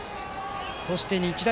そして日大